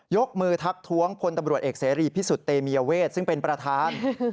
ยกมือทักท้วงพลตำรวจเอกเสรีพิสุทธิเตมียเวทซึ่งเป็นประธาน